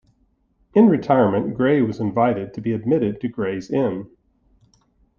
In retirement Grey was invited to be admitted to Gray's Inn.